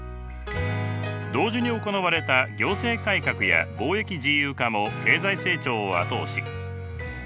同時に行われた行政改革や貿易自由化も経済成長を後押し。